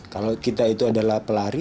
kalau kita itu adalah pelari